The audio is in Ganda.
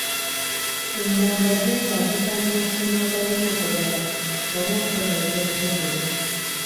Ennamba zeetaagisa mu masomo agalimu okubala oba okukozesa obubonero.